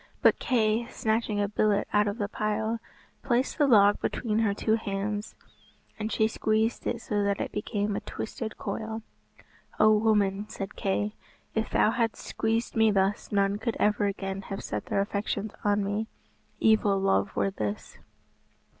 But Kay, snatching a billet out of the pile, placed the log between her two hands, and she squeezed it so that it became a twisted coil. "O woman," said Kay, "if thou hadst squeezed me thus, none could ever again have set their affections on me. Evil love were this."